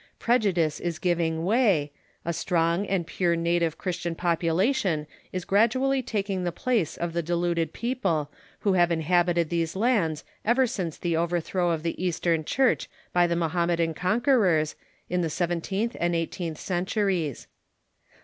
Prejudice is giving way, a strong and pure native Christian population is gradually taking the place of the deludetl people who have inhabited these lands ever since the overthrow of the Eastern Church by the Mohamme dan conquerors, in the seventeenth and eighteenth centuries.